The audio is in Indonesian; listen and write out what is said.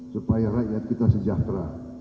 supaya rakyat kita sejahtera